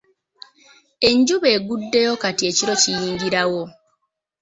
Enjuba eguddeyo kati ekiro kiyingirawo.